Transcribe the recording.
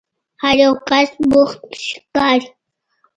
هر یو کس بوخت ښکاري.